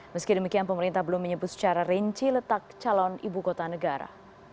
meski demikian pemerintah belum menyebut secara rinci letak calon ibu kota negara